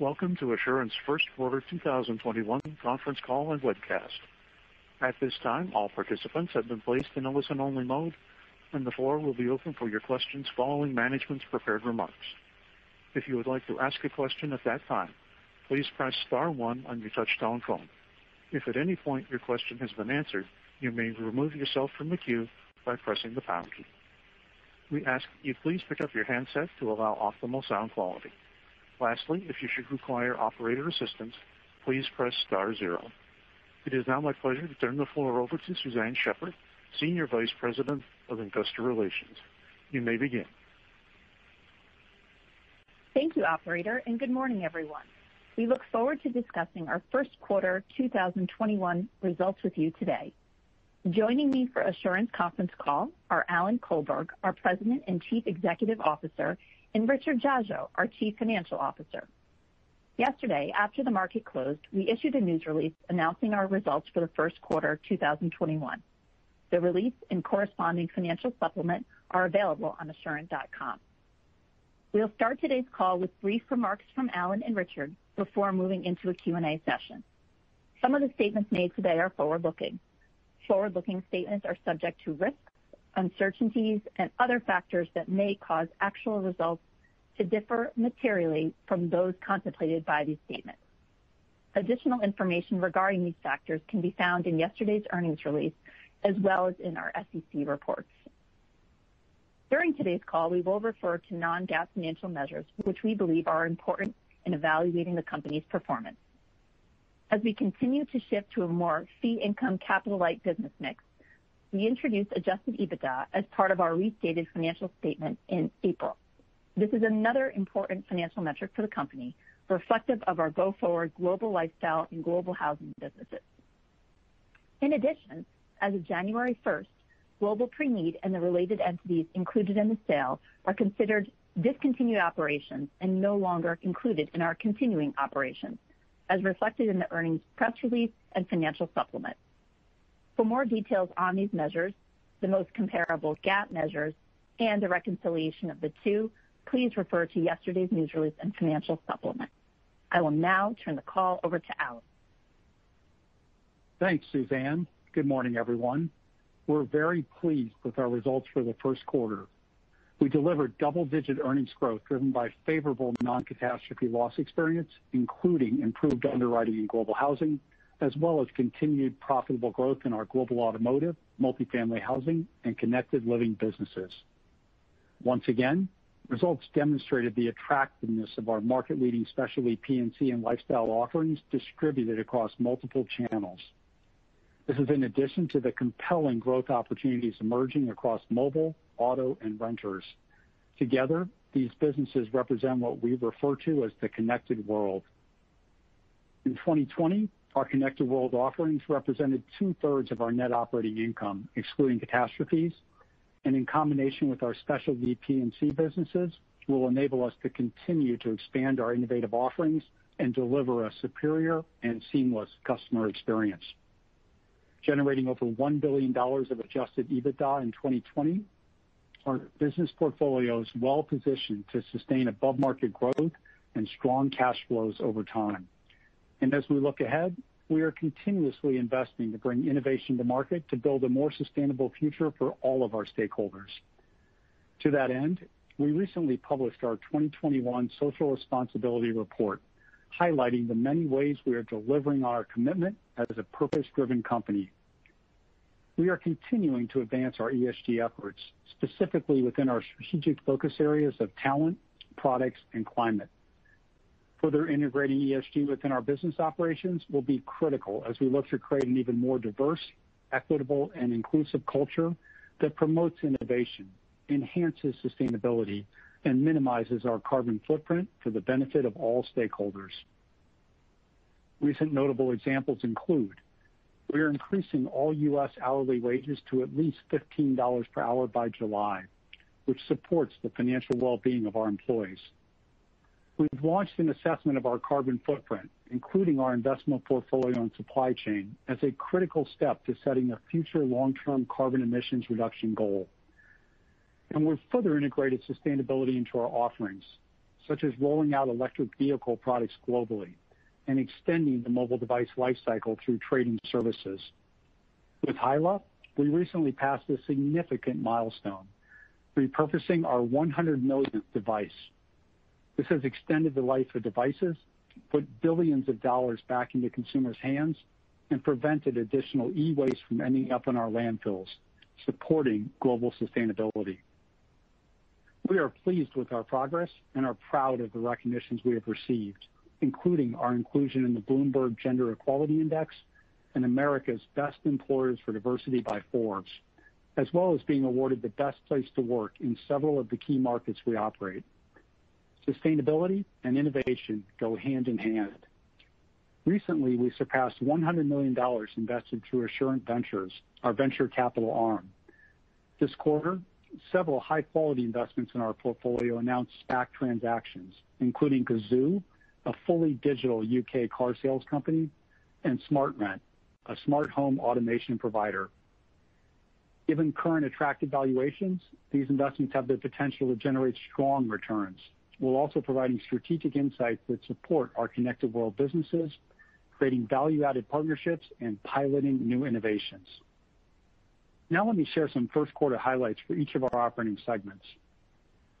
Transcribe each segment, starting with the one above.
Welcome to Assurant's first quarter 2021 conference call and webcast. At this time, all participants have been placed in a listen-only mode, and the floor will be open for your questions following management's prepared remarks. If you would like to ask a question at that time, please press star one on your touch-tone phone. If at any point your question has been answered, you may remove yourself from the queue by pressing the pound key. We ask that you please pick up your handset to allow optimal sound quality. Lastly, if you should require operator assistance, please press star zero. It is now my pleasure to turn the floor over to Suzanne Shepherd, Senior Vice President of Investor Relations. You may begin. Thank you, operator, and good morning, everyone. We look forward to discussing our first quarter 2021 results with you today. Joining me for Assurant conference call are Alan Colberg, our President and Chief Executive Officer, and Richard Dziadzio, our Chief Financial Officer. Yesterday, after the market closed, we issued a news release announcing our results for the first quarter 2021. The release and corresponding financial supplement are available on assurant.com. We'll start today's call with brief remarks from Alan and Richard before moving into a Q&A session. Some of the statements made today are forward-looking. Forward-looking statements are subject to risks, uncertainties, and other factors that may cause actual results to differ materially from those contemplated by these statements. Additional information regarding these factors can be found in yesterday's earnings release, as well as in our SEC reports. During today's call, we will refer to non-GAAP financial measures, which we believe are important in evaluating the company's performance. As we continue to shift to a more fee income capital light business mix, we introduced adjusted EBITDA as part of our restated financial statement in April. This is another important financial metric for the company, reflective of our go-forward Global Lifestyle and Global Housing businesses. In addition, as of January 1st, Global Preneed and the related entities included in the sale are considered discontinued operations and no longer included in our continuing operations, as reflected in the earnings press release and financial supplement. For more details on these measures, the most comparable GAAP measures, and a reconciliation of the two, please refer to yesterday's news release and financial supplement. I will now turn the call over to Alan. Thanks, Suzanne. Good morning, everyone. We're very pleased with our results for the first quarter. We delivered double-digit earnings growth driven by favorable non-catastrophe loss experience, including improved underwriting in Global Housing, as well as continued profitable growth in our Global Automotive, multifamily housing, and Connected Living businesses. Once again, results demonstrated the attractiveness of our market-leading specialty P&C and lifestyle offerings distributed across multiple channels. This is in addition to the compelling growth opportunities emerging across mobile, auto, and renters. Together, these businesses represent what we refer to as the Connected World. In 2020, our Connected World offerings represented two-thirds of our net operating income, excluding catastrophes, and in combination with our specialty P&C businesses, will enable us to continue to expand our innovative offerings and deliver a superior and seamless customer experience. Generating over $1 billion of adjusted EBITDA in 2020, our business portfolio is well-positioned to sustain above-market growth and strong cash flows over time. As we look ahead, we are continuously investing to bring innovation to market to build a more sustainable future for all of our stakeholders. To that end, we recently published our 2021 Social Responsibility Report, highlighting the many ways we are delivering on our commitment as a purpose-driven company. We are continuing to advance our ESG efforts, specifically within our strategic focus areas of talent, products, and climate. Further integrating ESG within our business operations will be critical as we look to create an even more diverse, equitable, and inclusive culture that promotes innovation, enhances sustainability, and minimizes our carbon footprint for the benefit of all stakeholders. Recent notable examples include we are increasing all U.S. hourly wages to at least $15 per hour by July, which supports the financial well-being of our employees. We've launched an assessment of our carbon footprint, including our investment portfolio and supply chain, as a critical step to setting a future long-term carbon emissions reduction goal. We've further integrated sustainability into our offerings, such as rolling out electric vehicle products globally and extending the mobile device lifecycle through trading services. With Hyla, we recently passed a significant milestone, repurposing our 100 millionth device. This has extended the life of devices, put billions of dollars back into consumers' hands, and prevented additional e-waste from ending up in our landfills, supporting global sustainability. We are pleased with our progress and are proud of the recognitions we have received, including our inclusion in the Bloomberg Gender-Equality Index and America's Best Employers for Diversity by Forbes, as well as being awarded the best place to work in several of the key markets we operate. Sustainability and innovation go hand in hand. Recently, we surpassed $100 million invested through Assurant Ventures, our venture capital arm. This quarter, several high-quality investments in our portfolio announced SPAC transactions, including Cazoo, a fully digital U.K. car sales company, and SmartRent, a smart home automation provider. Given current attractive valuations, these investments have the potential to generate strong returns, while also providing strategic insights that support our Connected World businesses, creating value-added partnerships, and piloting new innovations. Let me share some first quarter highlights for each of our operating segments.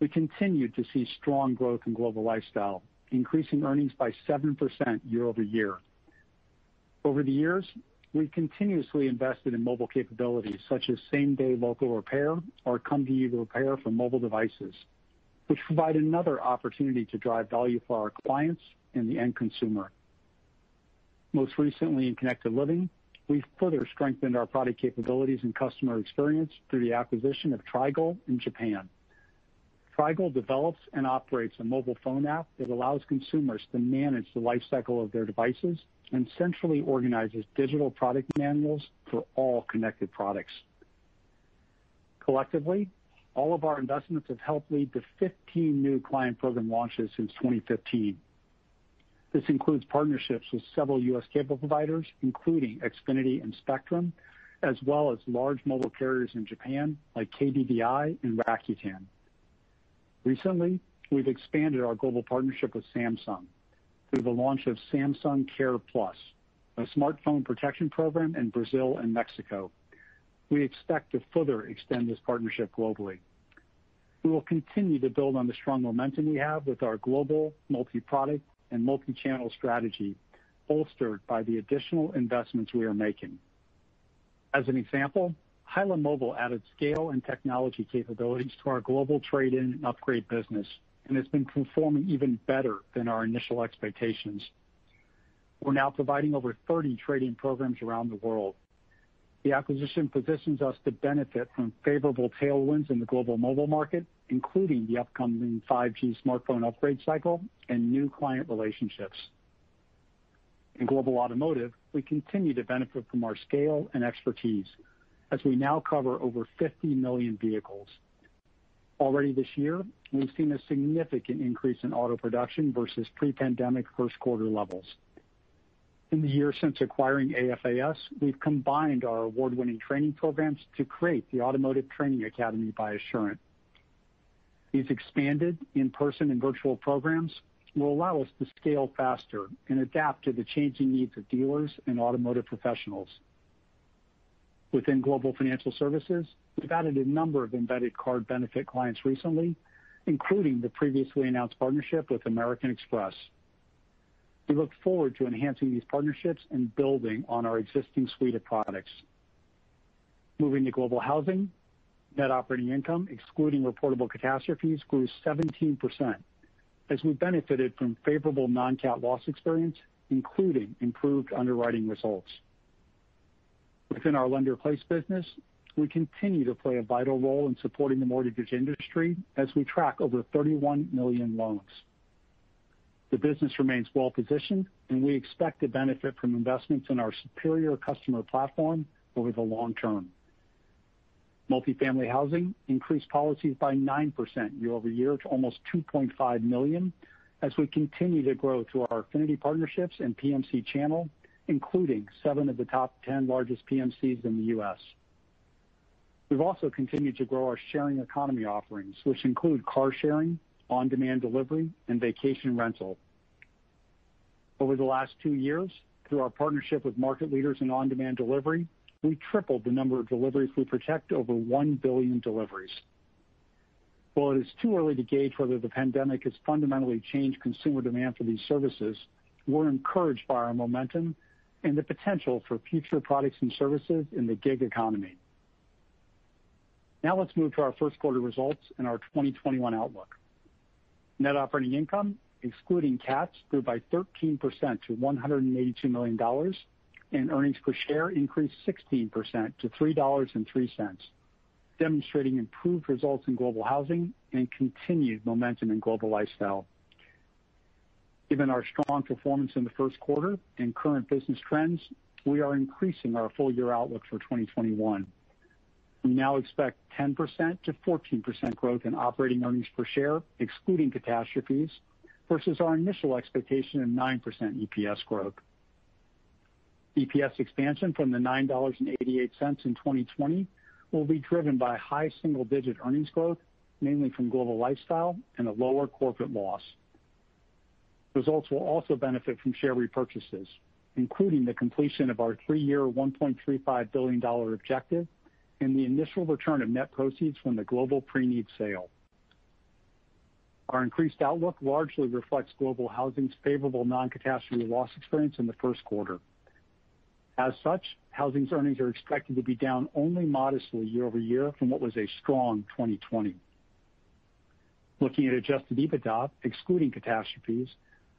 We continued to see strong growth in Global Lifestyle, increasing earnings by 7% year-over-year. Over the years, we've continuously invested in mobile capabilities such as same-day local repair or come-to-you repair for mobile devices, which provide another opportunity to drive value for our clients and the end consumer. Most recently in Connected Living, we further strengthened our product capabilities and customer experience through the acquisition of TRYGLE in Japan. TRYGLE develops and operates a mobile phone app that allows consumers to manage the lifecycle of their devices and centrally organizes digital product manuals for all connected products. Collectively, all of our investments have helped lead to 15 new client program launches since 2015. This includes partnerships with several U.S. cable providers, including Xfinity and Spectrum, as well as large mobile carriers in Japan like KDDI and Rakuten. Recently, we've expanded our global partnership with Samsung through the launch of Samsung Care+, a smartphone protection program in Brazil and Mexico. We expect to further extend this partnership globally. We will continue to build on the strong momentum we have with our global multi-product and multi-channel strategy, bolstered by the additional investments we are making. As an example, Hyla Mobile added scale and technology capabilities to our global trade-in and upgrade business, and it's been performing even better than our initial expectations. We're now providing over 30 trade-in programs around the world. The acquisition positions us to benefit from favorable tailwinds in the global mobile market, including the upcoming 5G smartphone upgrade cycle and new client relationships. In Global Automotive, we continue to benefit from our scale and expertise as we now cover over 50 million vehicles. Already this year, we've seen a significant increase in auto production versus pre-pandemic first quarter levels. In the year since acquiring AFAS, we've combined our award-winning training programs to create The Automotive Training Academy by Assurant. These expanded in-person and virtual programs will allow us to scale faster and adapt to the changing needs of dealers and automotive professionals. Within Global Financial Services, we've added a number of embedded card benefit clients recently, including the previously announced partnership with American Express. We look forward to enhancing these partnerships and building on our existing suite of products. Moving to Global Housing, net operating income, excluding reportable catastrophes, grew 17% as we benefited from favorable non-cat loss experience, including improved underwriting results. Within our lender-placed business, we continue to play a vital role in supporting the mortgage industry as we track over 31 million loans. The business remains well-positioned, and we expect to benefit from investments in our superior customer platform over the long term. Multifamily housing increased policies by 9% year-over-year to almost 2.5 million as we continue to grow through our affinity partnerships and PMC channel, including seven of the top 10 largest PMCs in the U.S. We've also continued to grow our sharing economy offerings, which include car sharing, on-demand delivery, and vacation rental. Over the last two years, through our partnership with market leaders in on-demand delivery, we tripled the number of deliveries we protect to over one billion deliveries. While it is too early to gauge whether the pandemic has fundamentally changed consumer demand for these services, we're encouraged by our momentum and the potential for future products and services in the gig economy. Let's move to our first quarter results and our 2021 outlook. Net operating income, excluding catastrophes, grew by 13% to $182 million, and earnings per share increased 16% to $3.03, demonstrating improved results in Global Housing and continued momentum in Global Lifestyle. Given our strong performance in the first quarter and current business trends, we are increasing our full-year outlook for 2021. We now expect 10%-14% growth in operating earnings per share, excluding catastrophes, versus our initial expectation of 9% EPS growth. EPS expansion from the $9.88 in 2020 will be driven by high single-digit earnings growth, mainly from Global Lifestyle and a lower corporate loss. Results will also benefit from share repurchases, including the completion of our three-year $1.35 billion objective and the initial return of net proceeds from the Global Preneed sale. Our increased outlook largely reflects Global Housing's favorable non-catastrophe loss experience in the first quarter. As such, Housing's earnings are expected to be down only modestly year-over-year from what was a strong 2020. Looking at adjusted EBITDA, excluding catastrophes,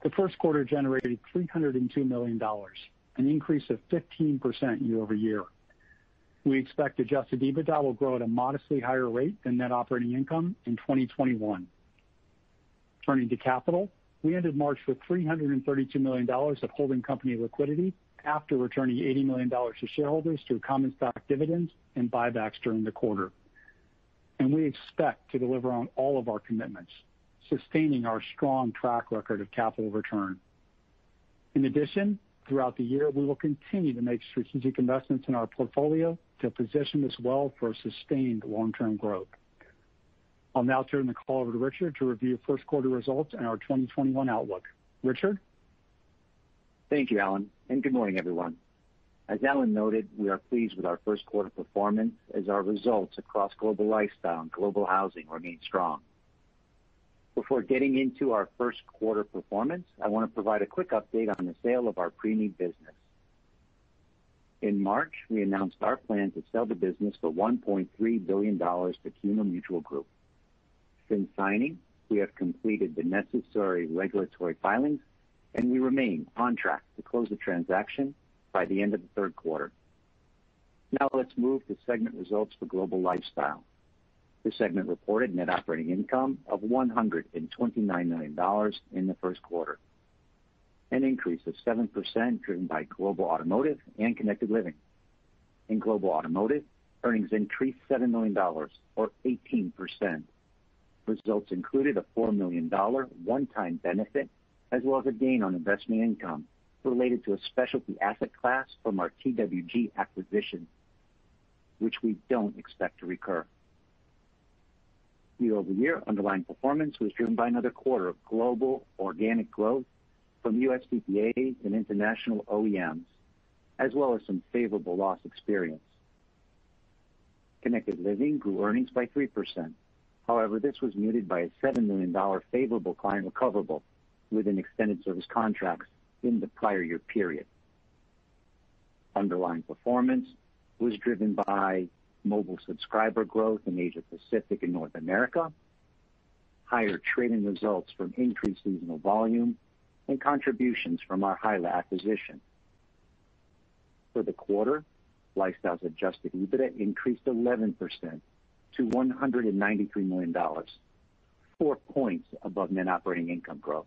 the first quarter generated $302 million, an increase of 15% year-over-year. We expect adjusted EBITDA will grow at a modestly higher rate than net operating income in 2021. Turning to capital, we ended March with $332 million of holding company liquidity after returning $80 million to shareholders through common stock dividends and buybacks during the quarter. We expect to deliver on all of our commitments, sustaining our strong track record of capital return. In addition, throughout the year, we will continue to make strategic investments in our portfolio to position us well for sustained long-term growth. I will now turn the call over to Richard to review first quarter results and our 2021 outlook. Richard? Thank you, Alan, and good morning, everyone. As Alan noted, we are pleased with our first quarter performance as our results across Global Lifestyle and Global Housing remain strong. Before getting into our first quarter performance, I want to provide a quick update on the sale of our Preneed business. In March, we announced our plan to sell the business for $1.3 billion to CUNA Mutual Group. Since signing, we have completed the necessary regulatory filings, and we remain on track to close the transaction by the end of the third quarter. Now let's move to segment results for Global Lifestyle. This segment reported net operating income of $129 million in the first quarter, an increase of 7% driven by Global Automotive and Connected Living. In Global Automotive, earnings increased $7 million or 18%. Results included a $4 million one-time benefit, as well as a gain on investment income related to a specialty asset class from our TWG acquisition, which we don't expect to recur. Year-over-year underlying performance was driven by another quarter of global organic growth from U.S. PPAs and international OEMs, as well as some favorable loss experience. Connected Living grew earnings by 3%. However, this was muted by a $7 million favorable client recoverable with an extended service contract in the prior year period. Underlying performance was driven by mobile subscriber growth in Asia Pacific and North America, higher trading results from increased seasonal volume, and contributions from our Hyla acquisition. For the quarter, Lifestyle's adjusted EBITDA increased 11% to $193 million, four points above net operating income growth.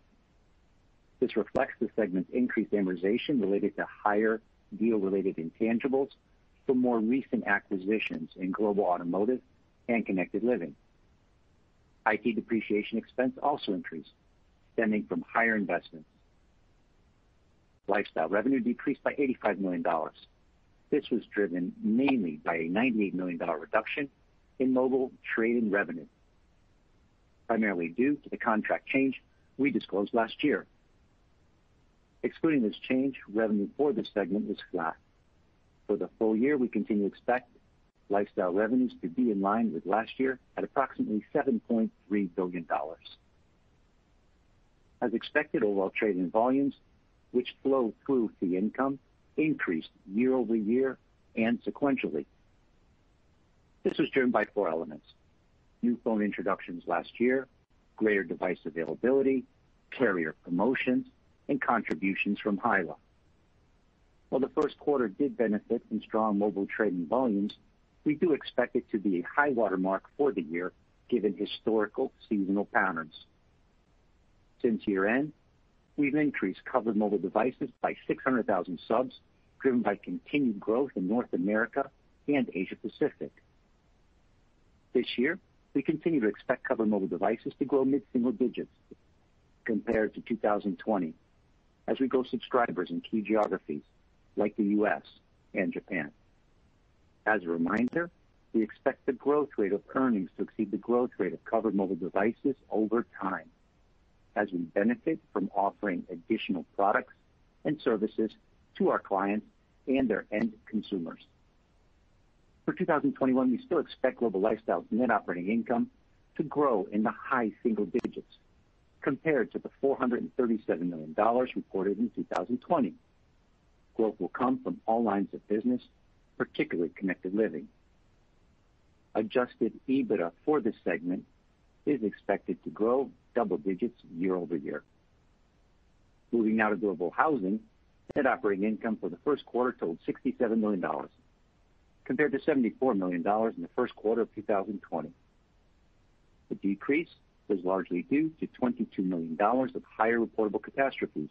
This reflects the segment's increased amortization related to higher deal-related intangibles for more recent acquisitions in Global Automotive and Connected Living. IT depreciation expense also increased, stemming from higher investments. Lifestyle revenue decreased by $85 million. This was driven mainly by a $98 million reduction in mobile trading revenue, primarily due to the contract change we disclosed last year. Excluding this change, revenue for this segment was flat. For the full year, we continue to expect Lifestyle revenues to be in line with last year at approximately $7.3 billion. As expected, overall trading volumes, which flow through fee income, increased year-over-year and sequentially. This was driven by four elements, new phone introductions last year, greater device availability, carrier promotions, and contributions from Hyla. While the first quarter did benefit from strong mobile trading volumes, we do expect it to be a high-water mark for the year given historical seasonal patterns. Since year-end, we've increased covered mobile devices by 600,000 subs, driven by continued growth in North America and Asia Pacific. This year, we continue to expect covered mobile devices to grow mid-single digits compared to 2020 as we grow subscribers in key geographies like the U.S. and Japan. As a reminder, we expect the growth rate of earnings to exceed the growth rate of covered mobile devices over time as we benefit from offering additional products and services to our clients and their end consumers. For 2021, we still expect Global Lifestyle's net operating income to grow in the high single digits compared to the $437 million reported in 2020. Growth will come from all lines of business, particularly Connected Living. Adjusted EBITDA for this segment is expected to grow double digits year-over-year. Moving now to Global Housing, net operating income for the first quarter totaled $67 million compared to $74 million in the first quarter of 2020. The decrease was largely due to $22 million of higher reportable catastrophes,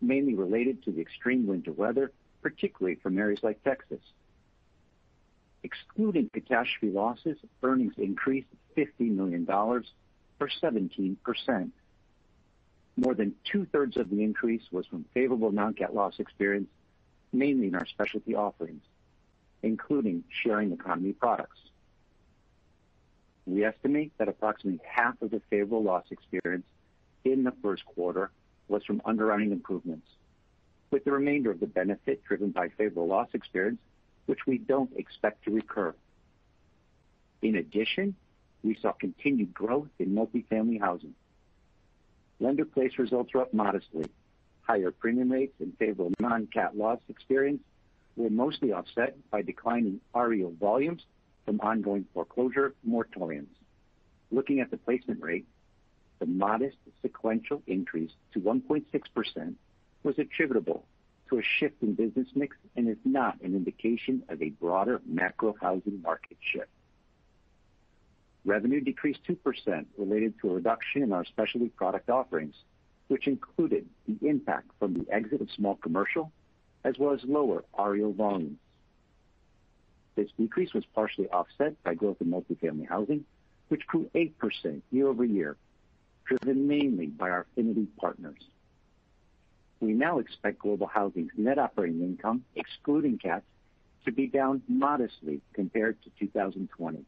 mainly related to the extreme winter weather, particularly from areas like Texas. Excluding catastrophe losses, earnings increased $15 million or 17%. More than two-thirds of the increase was from favorable non-cat loss experience, mainly in our specialty offerings, including sharing economy products. We estimate that approximately half of the favorable loss experience in the first quarter was from underwriting improvements, with the remainder of the benefit driven by favorable loss experience, which we don't expect to recur. In addition, we saw continued growth in multifamily housing. Lender-placed results were up modestly. Higher premium rates and favorable non-cat loss experience were mostly offset by declining REO volumes from ongoing foreclosure moratoriums. Looking at the placement rate, the modest sequential increase to 1.6% was attributable to a shift in business mix and is not an indication of a broader macro housing market shift. Revenue decreased 2% related to a reduction in our specialty product offerings, which included the impact from the exit of small commercial as well as lower REO volumes. This decrease was partially offset by growth in multi-family housing, which grew 8% year-over-year, driven mainly by our Affinity Partners. We now expect Global Housing's net operating income, excluding cats, to be down modestly compared to 2020.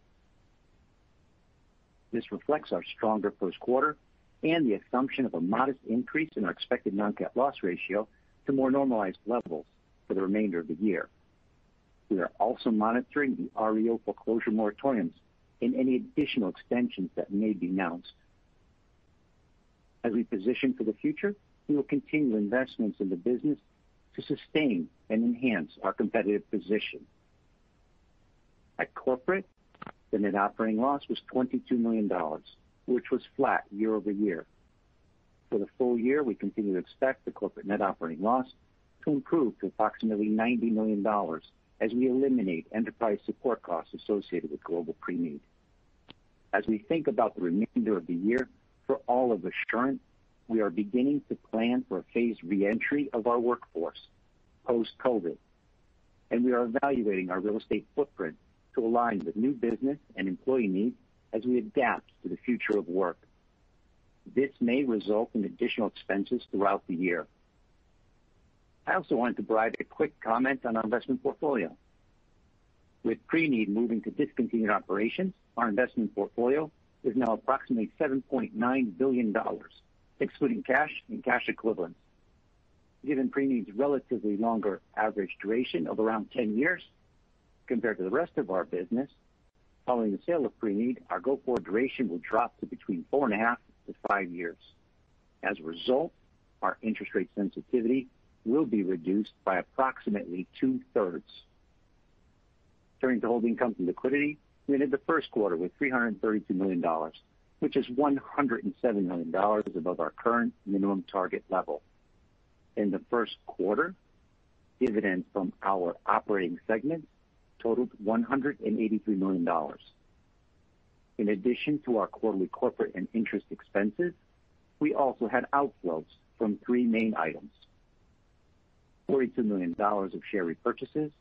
This reflects our stronger first quarter and the assumption of a modest increase in our expected non-cat loss ratio to more normalized levels for the remainder of the year. We are also monitoring the REO foreclosure moratoriums and any additional extensions that may be announced. As we position for the future, we will continue investments in the business to sustain and enhance our competitive position. At corporate, the net operating loss was $22 million, which was flat year-over-year. For the full year, we continue to expect the corporate net operating loss to improve to approximately $90 million as we eliminate enterprise support costs associated with Global Preneed. As we think about the remainder of the year for all of Assurant, we are beginning to plan for a phased re-entry of our workforce post-COVID, and we are evaluating our real estate footprint to align with new business and employee needs as we adapt to the future of work. This may result in additional expenses throughout the year. I also wanted to provide a quick comment on our investment portfolio. With Preneed moving to discontinued operations, our investment portfolio is now approximately $7.9 billion, excluding cash and cash equivalents. Given Preneed's relatively longer average duration of around 10 years compared to the rest of our business, following the sale of Preneed, our go-forward duration will drop to between four and half to five years. As a result, our interest rate sensitivity will be reduced by approximately two-thirds. Turning to holding company liquidity, we ended the first quarter with $332 million, which is $107 million above our current minimum target level. In the first quarter, dividends from our operating segment totaled $183 million. In addition to our quarterly corporate and interest expenses, we also had outflows from three main items: $42 million of share repurchases,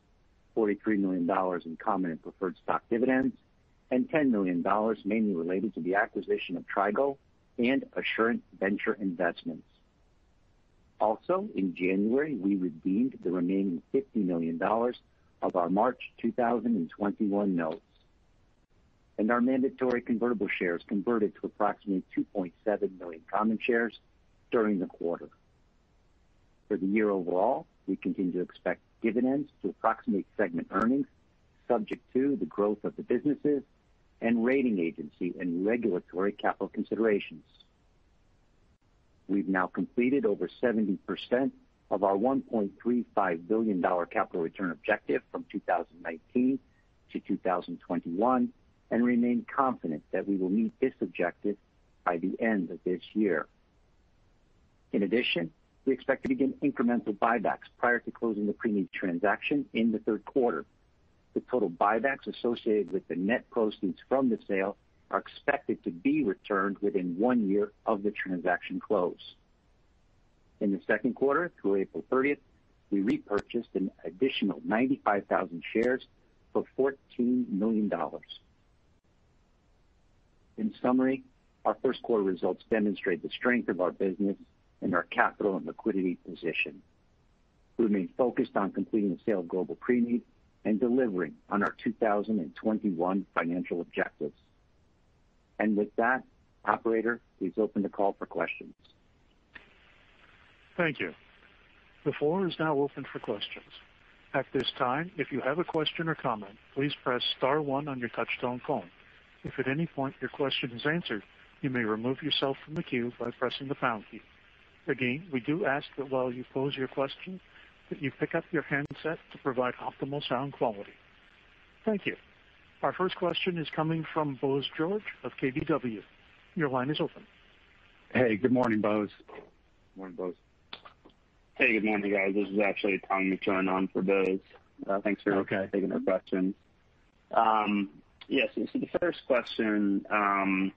$43 million in common and preferred stock dividends, and $10 million mainly related to the acquisition of TRYGLE and Assurant Ventures investments. In January, we redeemed the remaining $50 million of our March 2021 notes. Our mandatory convertible shares converted to approximately 2.7 million common shares during the quarter. For the year overall, we continue to expect dividends to approximate segment earnings subject to the growth of the businesses and rating agency and regulatory capital considerations. We've now completed over 70% of our $1.35 billion capital return objective from 2019-2021, and remain confident that we will meet this objective by the end of this year. In addition, we expect to begin incremental buybacks prior to closing the Preneed transaction in the third quarter. The total buybacks associated with the net proceeds from the sale are expected to be returned within one year of the transaction close. In the second quarter, through April 30th, we repurchased an additional 95,000 shares for $14 million. In summary, our first quarter results demonstrate the strength of our business and our capital and liquidity position. We remain focused on completing the sale of Global Preneed and delivering on our 2021 financial objectives. With that, operator, please open the call for questions. Thank you. The floor is now open for questions. At this time, if you have a question or comment, please press star one on your touchtone phone. If at any point your question is answered, you may remove yourself from the queue by pressing the pound key. Again, we do ask that while you pose your question, that you pick up your handset to provide optimal sound quality. Thank you. Our first question is coming from Bose George of KBW. Your line is open. Hey, good morning, Bose. Morning, Bose. Hey, good morning, guys. This is actually Tommy McJoynt for Bose. Okay taking the question. Yes. The first question is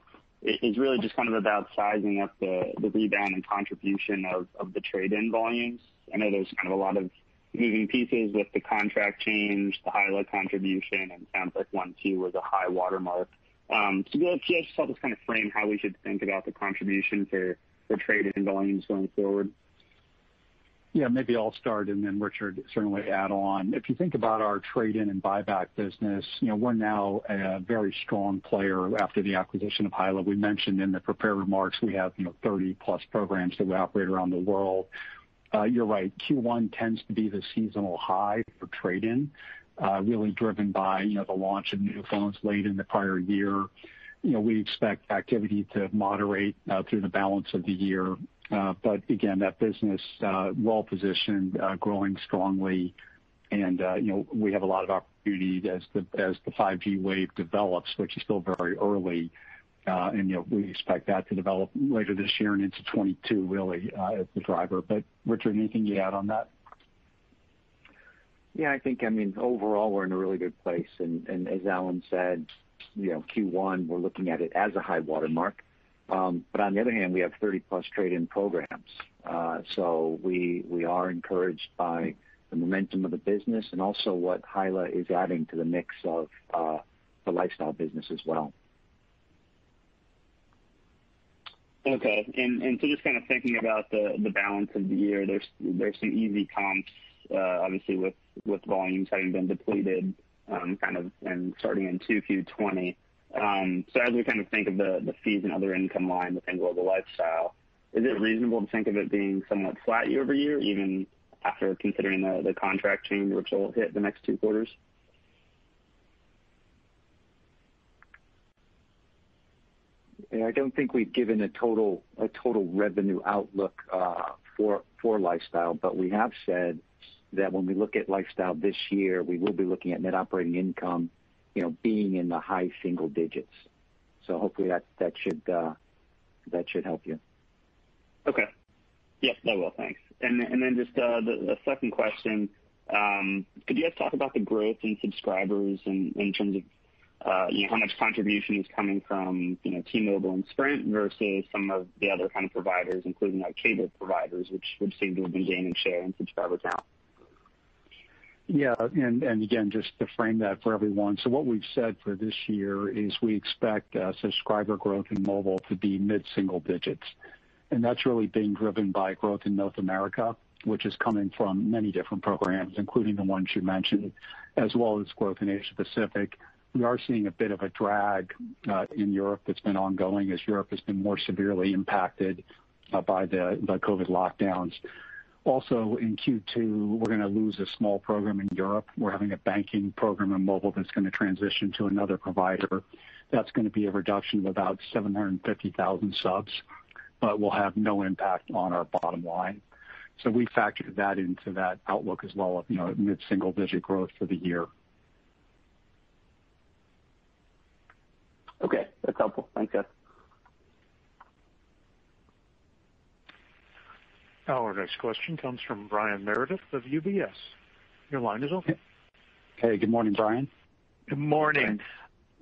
really just kind of about sizing up the rebound and contribution of the trade-in volumes. I know there's kind of a lot of moving pieces with the contract change, the Hyla contribution, and it sounds like Q1 was a high watermark. If you could just help us kind of frame how we should think about the contribution to the trade-in volumes going forward. Yeah. Maybe I'll start, and then Richard certainly add on. If you think about our trade-in and buyback business, we're now a very strong player after the acquisition of Hyla. We mentioned in the prepared remarks we have 30-plus programs that we operate around the world. You're right, Q1 tends to be the seasonal high for trade-in, really driven by the launch of new phones late in the prior year. We expect activity to moderate through the balance of the year. But again, that business, well-positioned, growing strongly and we have a lot of opportunity as the 5G wave develops, which is still very early. We expect that to develop later this year and into 2022, really, as the driver. Richard, anything to add on that? Yeah, I think, overall, we're in a really good place. As Alan said, Q1, we're looking at it as a high watermark. On the other hand, we have 30-plus trade-in programs. We are encouraged by the momentum of the business and also what Hyla is adding to the mix of the Lifestyle business as well. Okay. Just kind of thinking about the balance of the year, there's some easy comps, obviously, with volumes having been depleted, starting in 2Q 2020. As we think of the fees and other income line within Global Lifestyle, is it reasonable to think of it being somewhat flat year-over-year, even after considering the contract change, which will hit the next two quarters? Yeah, I don't think we've given a total revenue outlook for Lifestyle. We have said that when we look at Lifestyle this year, we will be looking at net operating income being in the high single digits. Hopefully that should help you. Okay. Yes, that will, thanks. Just the second question, could you guys talk about the growth in subscribers in terms of how much contribution is coming from T-Mobile and Sprint versus some of the other kind of providers, including like cable providers, which would seem to have been gaining share in subscriber count? Yeah, and again, just to frame that for everyone. What we've said for this year is we expect subscriber growth in mobile to be mid-single digits, and that's really being driven by growth in North America, which is coming from many different programs, including the ones you mentioned, as well as growth in Asia Pacific. We are seeing a bit of a drag in Europe that's been ongoing as Europe has been more severely impacted by the COVID lockdowns. Also, in Q2, we're going to lose a small program in Europe. We're having a banking program in mobile that's going to transition to another provider. That's going to be a reduction of about 750,000 subs, but will have no impact on our bottom line. We factored that into that outlook as well of mid-single digit growth for the year. Okay. That's helpful. Thanks, guys. Our next question comes from Brian Meredith of UBS. Your line is open. Hey, good morning, Brian. Good morning.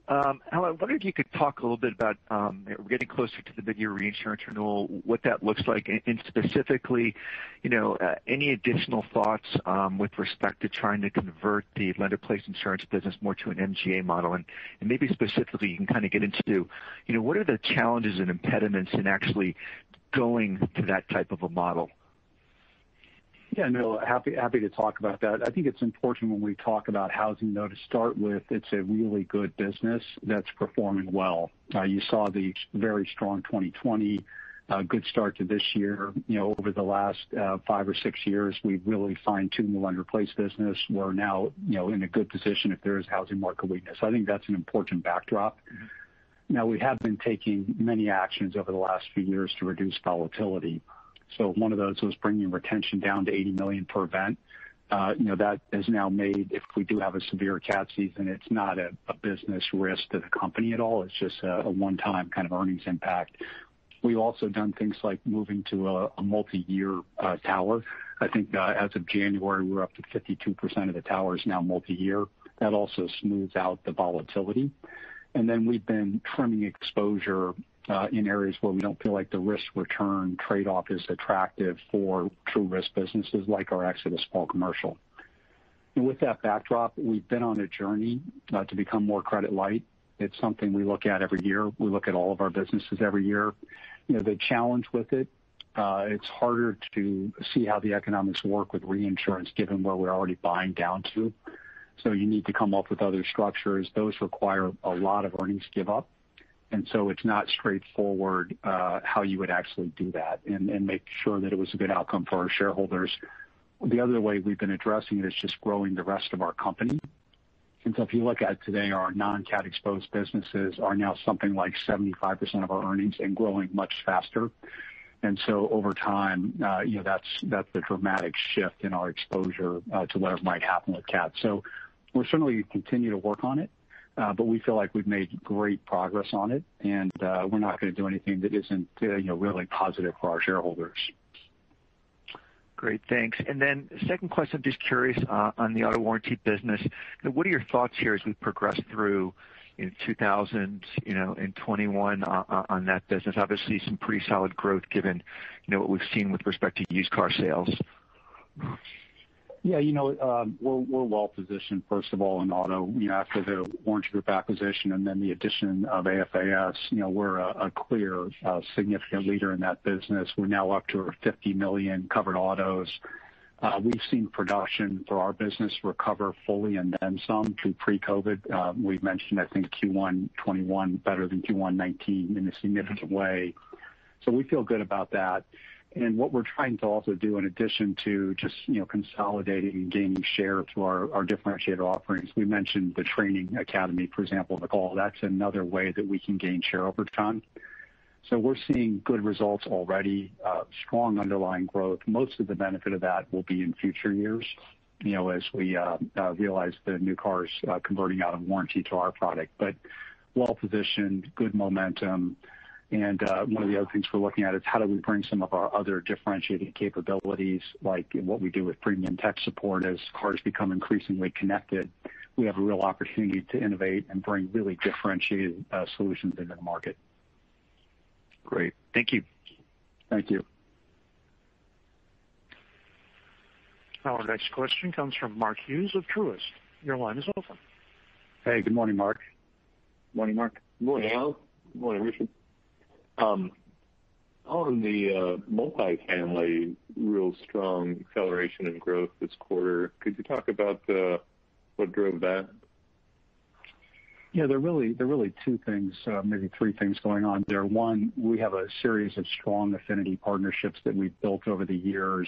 Brian. Alan, I wondered if you could talk a little bit about, we're getting closer to the mid-year reinsurance renewal, what that looks like, and specifically, any additional thoughts with respect to trying to convert the lender-placed insurance business more to an MGA model, and maybe specifically you can kind of get into what are the challenges and impediments in actually going to that type of a model? Yeah, no, happy to talk about that. I think it's important when we talk about housing, though, to start with, it's a really good business that's performing well. You saw the very strong 2020, a good start to this year. Over the last five or six years, we've really fine-tuned the lender-placed business. We're now in a good position if there is housing market weakness. I think that's an important backdrop. Now, we have been taking many actions over the last few years to reduce volatility. One of those was bringing retention down to $80 million per event. That has now made, if we do have a severe cat season, it's not a business risk to the company at all. It's just a one-time kind of earnings impact. We've also done things like moving to a multi-year tower. I think as of January, we're up to 52% of the towers now multi-year. That also smooths out the volatility. We've been trimming exposure in areas where we don't feel like the risk-return trade-off is attractive for true risk businesses like our exit of small commercial. With that backdrop, we've been on a journey to become more credit light. It's something we look at every year. We look at all of our businesses every year. The challenge with it's harder to see how the economics work with reinsurance given where we're already buying down to. You need to come up with other structures. Those require a lot of earnings give up, it's not straightforward how you would actually do that and make sure that it was a good outcome for our shareholders. The other way we've been addressing it is just growing the rest of our company. If you look at today, our non-cat exposed businesses are now something like 75% of our earnings and growing much faster. Over time, that's a dramatic shift in our exposure to whatever might happen with cat. We'll certainly continue to work on it. We feel like we've made great progress on it, and we're not going to do anything that isn't really positive for our shareholders. Great. Thanks. Second question, just curious on the auto warranty business. What are your thoughts here as we progress through in 2021 on that business? Obviously, some pretty solid growth given what we've seen with respect to used car sales. We're well-positioned, first of all, in auto. After The Warranty Group acquisition and then the addition of AFAS, we're a clear significant leader in that business. We're now up to $50 million covered autos. We've seen production for our business recover fully and then some to pre-COVID. We've mentioned, I think Q1 2021 better than Q1 2019 in a significant way. We feel good about that. What we're trying to also do in addition to just consolidating and gaining share through our differentiated offerings, we mentioned the Training Academy, for example, on the call. That's another way that we can gain share over time. We're seeing good results already, strong underlying growth. Most of the benefit of that will be in future years as we realize the new cars converting out of warranty to our product. Well-positioned, good momentum, and one of the other things we're looking at is how do we bring some of our other differentiating capabilities, like what we do with premium tech support as cars become increasingly connected. We have a real opportunity to innovate and bring really differentiated solutions into the market. Great. Thank you. Thank you. Our next question comes from Mark Hughes of Truist. Your line is open. Hey, good morning, Mark. Morning, Mark. Morning, Alan. Morning, Richard. On the multi-family, real strong acceleration in growth this quarter. Could you talk about what drove that? There are really two things, maybe three things going on there. One, we have a series of strong affinity partnerships that we've built over the years.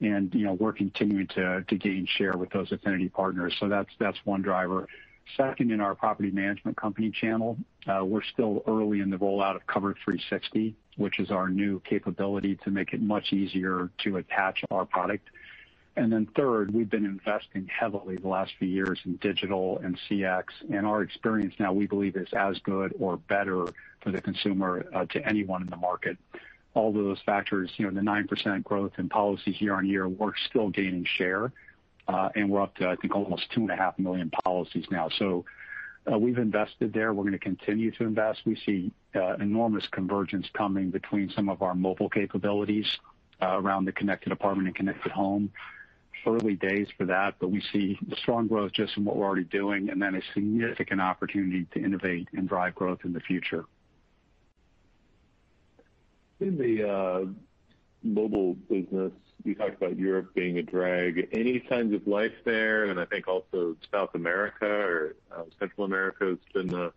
We're continuing to gain share with those affinity partners. That's one driver. Second, in our property management company channel, we're still early in the rollout of Cover360, which is our new capability to make it much easier to attach our product. Third, we've been investing heavily the last few years in digital and CX. Our experience now, we believe is as good or better for the consumer to anyone in the market. All of those factors, the 9% growth in policy year-on-year, we're still gaining share. We're up to, I think, almost 2.5 million policies now. We've invested there. We're going to continue to invest. We see enormous convergence coming between some of our mobile capabilities around the connected apartment and connected home. Early days for that, but we see strong growth just from what we're already doing, and then a significant opportunity to innovate and drive growth in the future. In the mobile business, you talked about Europe being a drag. Any signs of life there? I think also South America or Central America has been a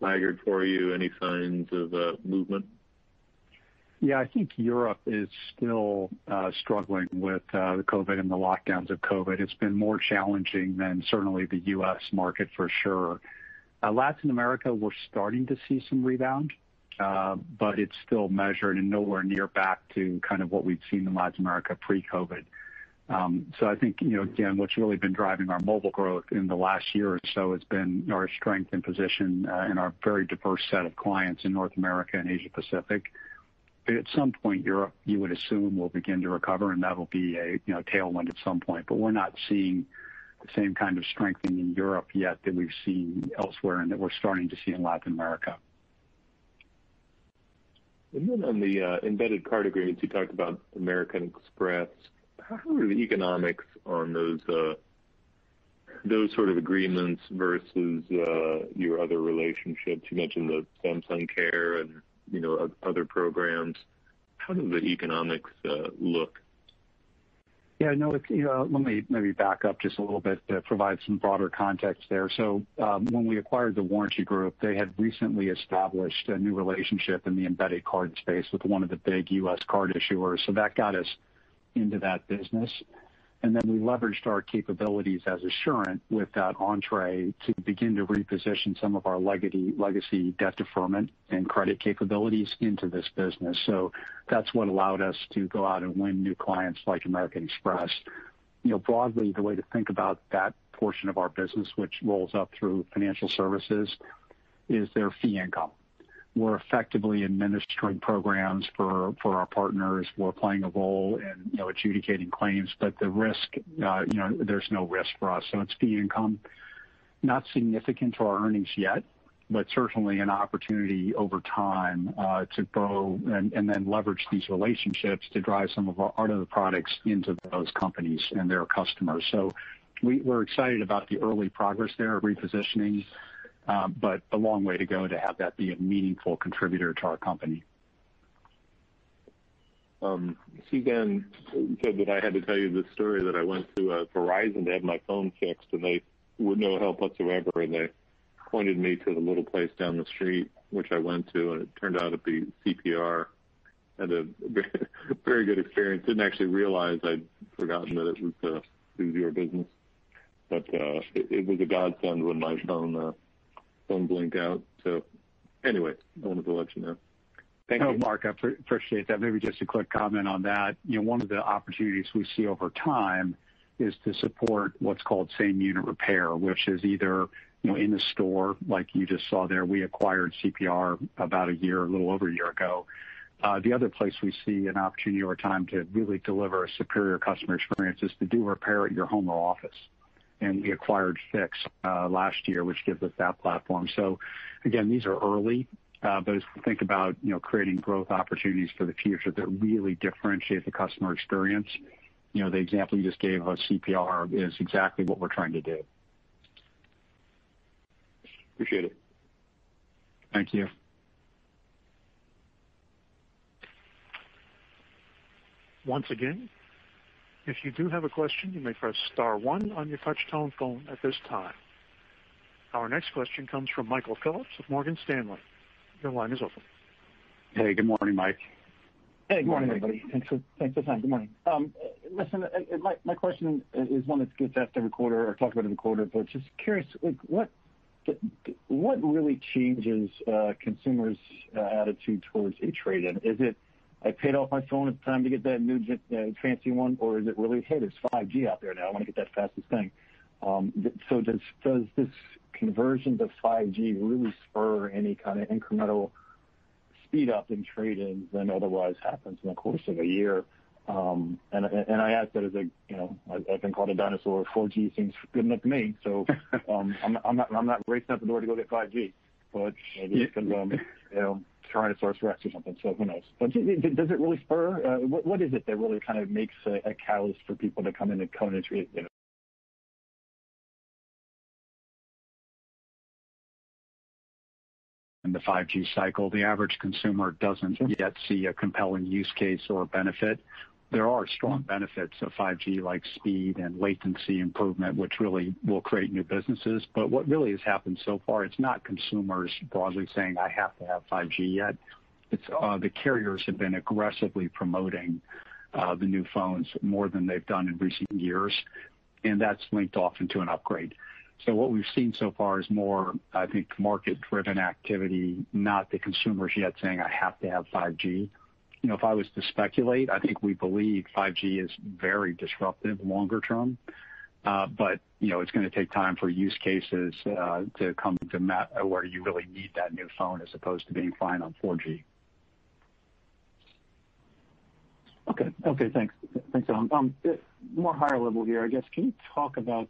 laggard for you. Any signs of movement? Yeah, I think Europe is still struggling with the COVID and the lockdowns of COVID. It's been more challenging than certainly the U.S. market for sure. Latin America, we're starting to see some rebound, but it's still measured and nowhere near back to kind of what we'd seen in Latin America pre-COVID. I think, again, what's really been driving our mobile growth in the last year or so has been our strength and position in our very diverse set of clients in North America and Asia Pacific. At some point, Europe, you would assume, will begin to recover, and that'll be a tailwind at some point. We're not seeing the same kind of strengthening in Europe yet that we've seen elsewhere and that we're starting to see in Latin America. On the embedded card agreements, you talked about American Express. How are the economics on those sort of agreements versus your other relationships? You mentioned the Samsung Care and other programs. How do the economics look? Yeah, no. Let me maybe back up just a little bit to provide some broader context there. When we acquired The Warranty Group, they had recently established a new relationship in the embedded card space with one of the big U.S. card issuers, that got us into that business. Then we leveraged our capabilities as Assurant with that entree to begin to reposition some of our legacy debt deferment and credit capabilities into this business. That's what allowed us to go out and win new clients like American Express. Broadly, the way to think about that portion of our business, which rolls up through Financial Services, is they're fee income. We're effectively administering programs for our partners. We're playing a role in adjudicating claims. The risk, there's no risk for us. It's fee income, not significant to our earnings yet, but certainly an opportunity over time to grow and then leverage these relationships to drive some of our other products into those companies and their customers. We're excited about the early progress there of repositioning, but a long way to go to have that be a meaningful contributor to our company. Dan said that I had to tell you this story that I went to Verizon to have my phone fixed, and they were no help whatsoever, and they pointed me to the little place down the street, which I went to, and it turned out to be CPR. Had a very good experience. Didn't actually realize I'd forgotten that it was through your business. It was a godsend when my phone blinked out. I wanted to let you know. Thank you. No, Mark, I appreciate that. Maybe just a quick comment on that. One of the opportunities we see over time is to support what's called same unit repair, which is either in the store like you just saw there. We acquired CPR about a year, a little over a year ago. The other place we see an opportunity over time to really deliver a superior customer experience is to do repair at your home or office. We acquired Fixt last year, which gives us that platform. Again, these are early, but as we think about creating growth opportunities for the future that really differentiate the customer experience, the example you just gave of CPR is exactly what we're trying to do. Appreciate it. Thank you. Once again, if you do have a question, you may press star one on your touch-tone phone at this time. Our next question comes from Michael Phillips of Morgan Stanley. Your line is open. Hey, good morning, Mike. Hey, good morning, everybody. Thanks for the time. Good morning. Listen, my question is one that gets asked every quarter or talked about every quarter, but just curious, what really changes consumers' attitude towards a trade-in? Is it, I paid off my phone, it's time to get that new fancy one, or is it really, hey, there's 5G out there now, I want to get that fastest thing? Does this conversion to 5G really spur any kind of incremental speed up in trade-ins than otherwise happens in the course of a year? I ask that as I've been called a dinosaur. 4G seems good enough to me. I'm not racing out the door to go get 5G. Maybe some Tyrannosaurus rex or something, so who knows? Does it really spur? What is it that really kind of makes a catalyst for people to come in and trade in? In the 5G cycle, the average consumer doesn't yet see a compelling use case or benefit. There are strong benefits of 5G, like speed and latency improvement, which really will create new businesses. What really has happened so far, it's not consumers broadly saying, "I have to have 5G yet." It's the carriers have been aggressively promoting the new phones more than they've done in recent years, and that's linked often to an upgrade. What we've seen so far is more, I think, market-driven activity, not the consumers yet saying, "I have to have 5G." If I was to speculate, I think we believe 5G is very disruptive longer term. It's going to take time for use cases to come to mature where you really need that new phone as opposed to being fine on 4G. Okay. Thanks, Alan. More higher level here, I guess, can you talk about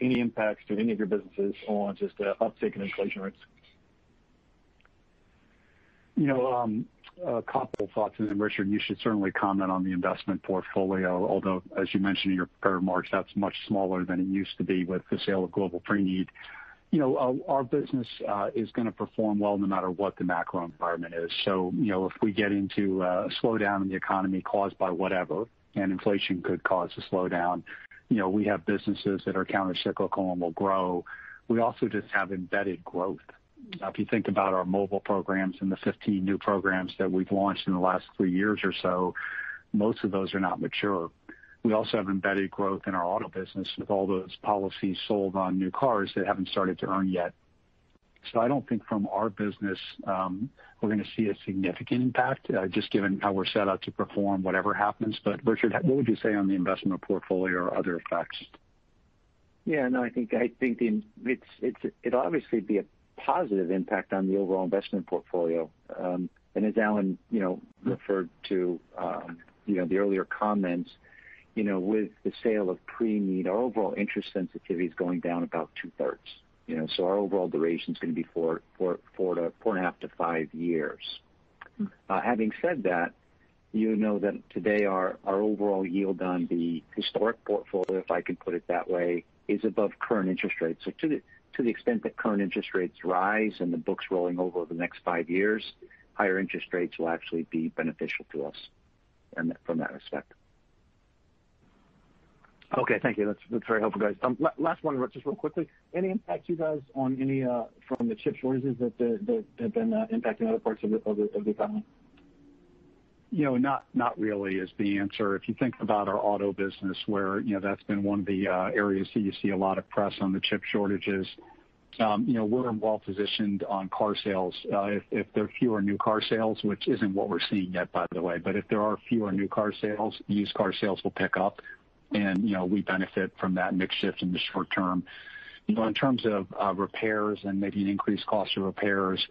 any impacts to any of your businesses on just the uptake in inflation rates? A couple thoughts. Richard, you should certainly comment on the investment portfolio. Although, as you mentioned in your prepared remarks, that's much smaller than it used to be with the sale of Global Preneed. Our business is going to perform well no matter what the macro environment is. If we get into a slowdown in the economy caused by whatever, and inflation could cause a slowdown, we have businesses that are counter-cyclical and will grow. We also just have embedded growth. If you think about our mobile programs and the 15 new programs that we've launched in the last three years or so, most of those are not mature. We also have embedded growth in our auto business with all those policies sold on new cars that haven't started to earn yet. I don't think from our business we're going to see a significant impact, just given how we're set up to perform whatever happens. Richard, what would you say on the investment portfolio or other effects? Yeah. No, I think it'd obviously be a positive impact on the overall investment portfolio. As Alan referred to the earlier comments, with the sale of Preneed, our overall interest sensitivity's going down about two-thirds. Our overall duration's going to be four and a half to five years. Having said that, you know that today our overall yield on the historic portfolio, if I can put it that way, is above current interest rates. To the extent that current interest rates rise and the books rolling over the next five years, higher interest rates will actually be beneficial to us from that respect. Okay. Thank you. That is very helpful, guys. Last one, just real quickly. Any impact to you guys from the chip shortages that have been impacting other parts of the economy? Not really is the answer. If you think about our auto business where that's been one of the areas that you see a lot of press on the chip shortages. We're well-positioned on car sales. If there are fewer new car sales, which isn't what we're seeing yet, by the way, but if there are fewer new car sales, used car sales will pick up, and we benefit from that mix shift in the short term. In terms of repairs and maybe an increased cost of repairs,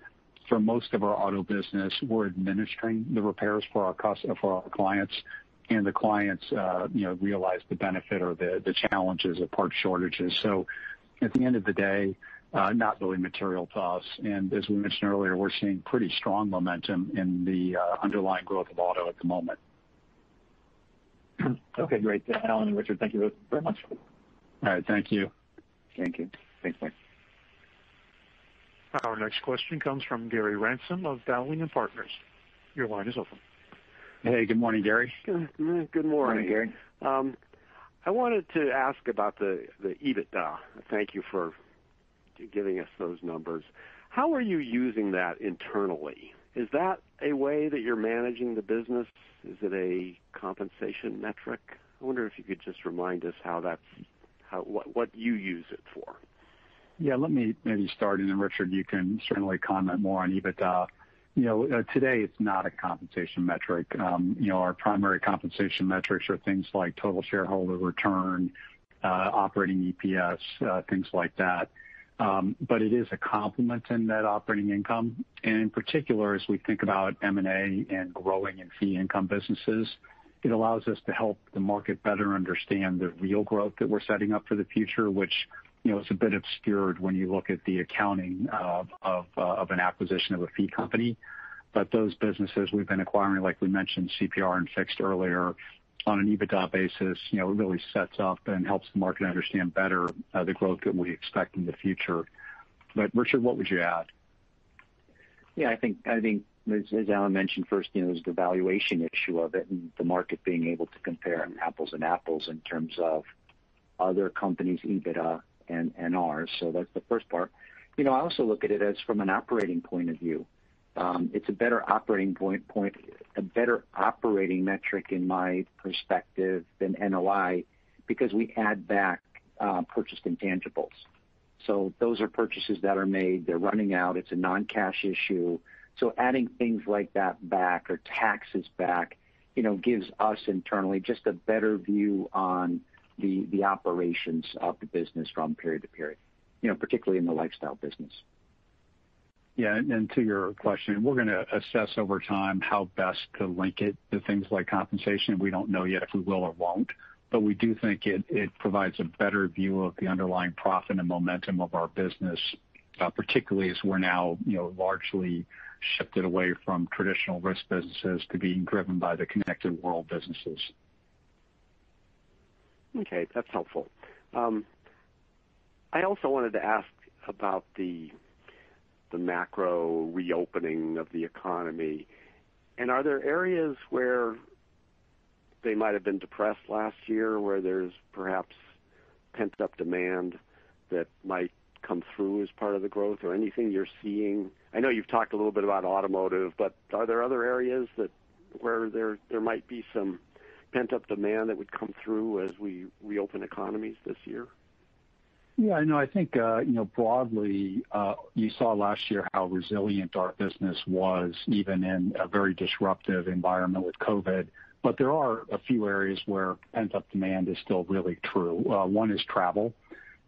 for most of our auto business, we're administering the repairs for our clients, and the clients realize the benefit or the challenges of part shortages. At the end of the day, not really material to us. As we mentioned earlier, we're seeing pretty strong momentum in the underlying growth of auto at the moment. Okay, great. Alan and Richard, thank you both very much. All right. Thank you. Thank you. Thanks. Bye. Our next question comes from Gary Ransom of Dowling & Partners. Your line is open. Hey, good morning, Gary. Good morning. Morning, Gary. I wanted to ask about the EBITDA. Thank you for giving us those numbers. How are you using that internally? Is that a way that you're managing the business? Is it a compensation metric? I wonder if you could just remind us what you use it for. Let me maybe start, and then Richard, you can certainly comment more on EBITDA. Today it's not a compensation metric. Our primary compensation metrics are things like total shareholder return, operating EPS, things like that. It is a complement in net operating income, and in particular, as we think about M&A and growing in fee income businesses, it allows us to help the market better understand the real growth that we're setting up for the future, which is a bit obscured when you look at the accounting of an acquisition of a fee company. Those businesses we've been acquiring, like we mentioned CPR and Fixt earlier, on an EBITDA basis, it really sets up and helps the market understand better the growth that we expect in the future. Richard, what would you add? Yeah, I think as Alan mentioned first, there's the valuation issue of it and the market being able to compare apples and apples in terms of other companies' EBITDA and ours. That's the first part. I also look at it as from an operating point of view. It's a better operating metric in my perspective than NOI because we add back purchased intangibles. Those are purchases that are made. They're running out. It's a non-cash issue. Adding things like that back or taxes back gives us internally just a better view on the operations of the business from period to period, particularly in the lifestyle business. Yeah. To your question, we're going to assess over time how best to link it to things like compensation. We don't know yet if we will or won't. We do think it provides a better view of the underlying profit and momentum of our business, particularly as we're now largely shifted away from traditional risk businesses to being driven by the Connected World businesses. Okay, that's helpful. I also wanted to ask about the macro reopening of the economy, are there areas where they might have been depressed last year, where there's perhaps pent-up demand that might come through as part of the growth or anything you're seeing? I know you've talked a little bit about automotive, are there other areas where there might be some pent-up demand that would come through as we reopen economies this year? Yeah, I know. I think broadly, you saw last year how resilient our business was even in a very disruptive environment with COVID. There are a few areas where pent-up demand is still really true. One is travel.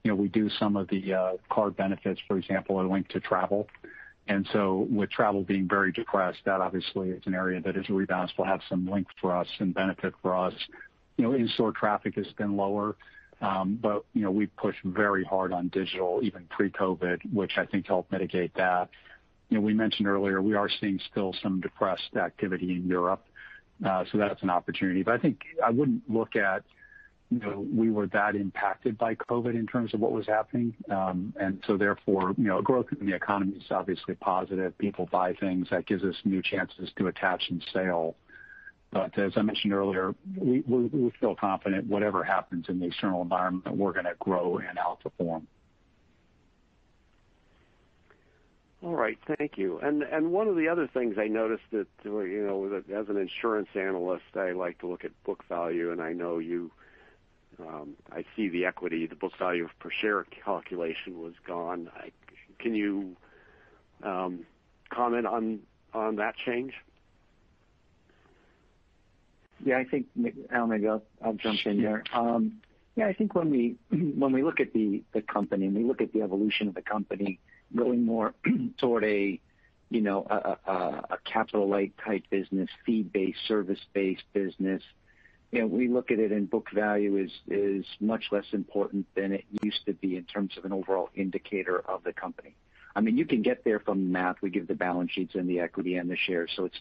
We do some of the card benefits, for example, are linked to travel. With travel being very depressed, that obviously is an area that as we bounce, will have some link for us, some benefit for us. In-store traffic has been lower. We pushed very hard on digital, even pre-COVID, which I think helped mitigate that. We mentioned earlier we are seeing still some depressed activity in Europe. That's an opportunity. I think I wouldn't look at we were that impacted by COVID in terms of what was happening. Growth in the economy is obviously positive. People buy things, that gives us new chances to attach and sell. As I mentioned earlier, we feel confident whatever happens in the external environment, that we're going to grow and outperform. All right. Thank you. One of the other things I noticed that as an insurance analyst, I like to look at book value, and I see the equity, the book value per share calculation was gone. Can you comment on that change? Yeah, I think, Alan, maybe I'll jump in here. Yeah, I think when we look at the company, we look at the evolution of the company going more toward a capital-like type business, fee-based, service-based business, we look at it in book value is much less important than it used to be in terms of an overall indicator of the company. You can get there from the math. We give the balance sheets and the equity and the shares, it's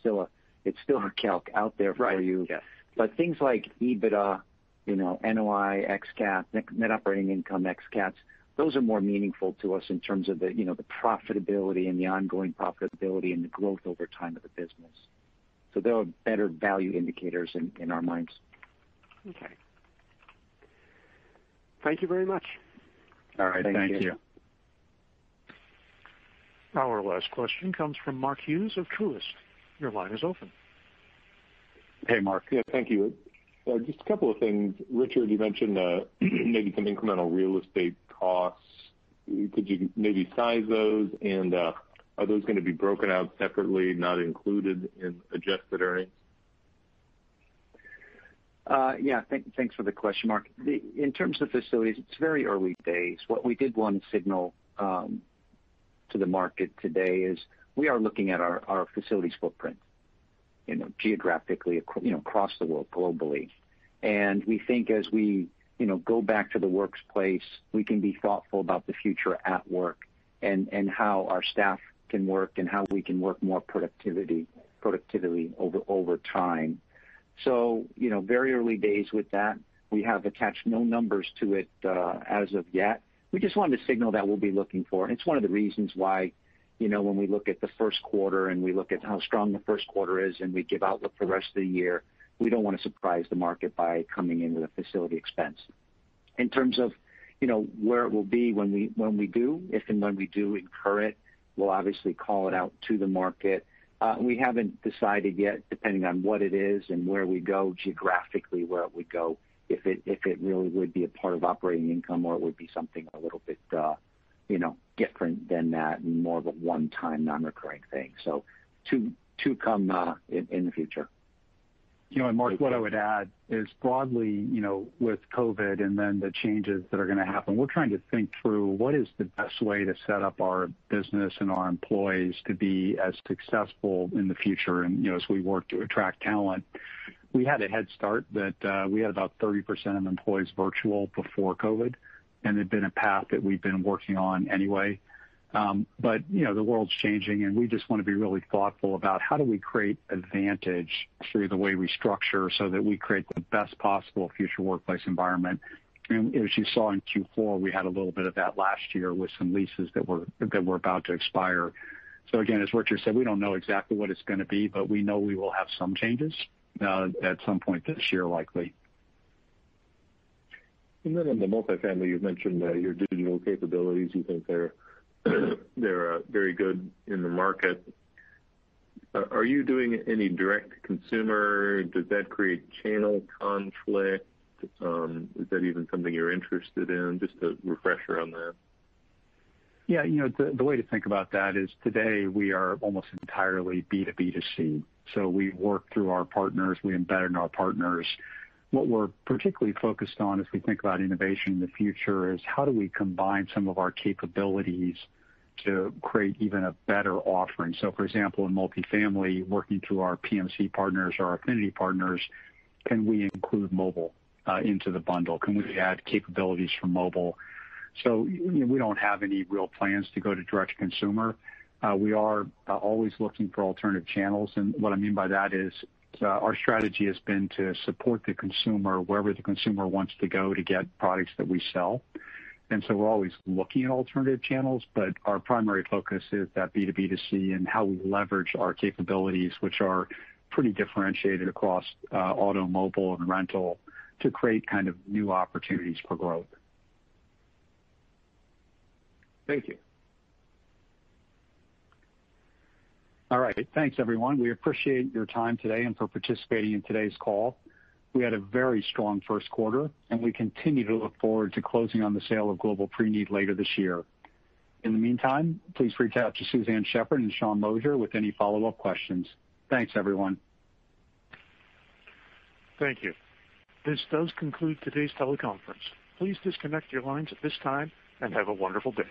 still a calc out there for you. Right. Yeah. Things like EBITDA, NOI, ex-CAT, net operating income, ex CAT, those are more meaningful to us in terms of the profitability and the ongoing profitability and the growth over time of the business. They are better value indicators in our minds. Okay. Thank you very much. All right. Thank you. Thank you. Our last question comes from Mark Hughes of Truist. Your line is open. Hey, Mark. Yeah, thank you. Just a couple of things. Richard, you mentioned maybe some incremental real estate costs. Could you maybe size those, and are those going to be broken out separately, not included in adjusted earnings? Yeah. Thanks for the question, Mark. In terms of facilities, it's very early days. What we did want to signal to the market today is we are looking at our facilities footprint geographically across the world globally. We think as we go back to the workplace, we can be thoughtful about the future at work and how our staff can work and how we can work more productively over time. Very early days with that. We have attached no numbers to it as of yet. We just wanted to signal that we'll be looking for, it's one of the reasons why when we look at the first quarter and we look at how strong the first quarter is, and we give outlook for the rest of the year, we don't want to surprise the market by coming in with a facility expense. In terms of where it will be when we do, if and when we do incur it, we'll obviously call it out to the market. We haven't decided yet, depending on what it is and where we go geographically, where it would go, if it really would be a part of operating income or it would be something a little bit different than that and more of a one-time non-recurring thing to come in the future. Mark, what I would add is broadly with COVID and then the changes that are going to happen, we're trying to think through what is the best way to set up our business and our employees to be as successful in the future and as we work to attract talent. We had a head start that we had about 30% of employees virtual before COVID, and it'd been a path that we've been working on anyway. The world's changing, and we just want to be really thoughtful about how do we create advantage through the way we structure so that we create the best possible future workplace environment. As you saw in Q4, we had a little bit of that last year with some leases that were about to expire. Again, as Richard said, we don't know exactly what it's going to be, but we know we will have some changes at some point this year likely. On the multifamily, you've mentioned your digital capabilities. You think they're very good in the market. Are you doing any direct consumer? Does that create channel conflict? Is that even something you're interested in? Just a refresher on that. Yeah. The way to think about that is today we are almost entirely B2B2C. We work through our partners. We embed in our partners. What we're particularly focused on as we think about innovation in the future is how do we combine some of our capabilities to create even a better offering. For example, in multifamily, working through our PMC partners, our affinity partners, can we include mobile into the bundle? Can we add capabilities for mobile? We don't have any real plans to go to direct consumer. We are always looking for alternative channels, and what I mean by that is our strategy has been to support the consumer wherever the consumer wants to go to get products that we sell. We're always looking at alternative channels, but our primary focus is that B2B2C and how we leverage our capabilities, which are pretty differentiated across auto, mobile, and rental to create kind of new opportunities for growth. Thank you. All right. Thanks, everyone. We appreciate your time today and for participating in today's call. We had a very strong first quarter, we continue to look forward to closing on the sale of Global Preneed later this year. In the meantime, please reach out to Suzanne Shepherd and Sean Moshier with any follow-up questions. Thanks, everyone. Thank you. This does conclude today's teleconference. Please disconnect your lines at this time and have a wonderful day.